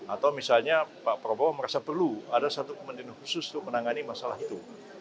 atau misalnya pak prabowo merasa perlu ada satu kepentingan khusus untuk menangani masalah itu